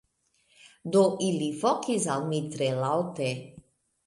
Do, ili vokis al mi tre laŭte: